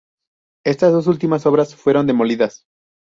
Estas dos últimas obras fueron demolidas.